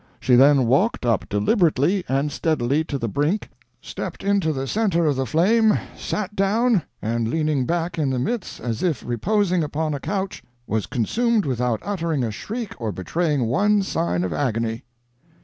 She then walked up deliberately and steadily to the brink, stepped into the centre of the flame, sat down, and leaning back in the midst as if reposing upon a couch, was consumed without uttering a shriek or betraying one sign of agony."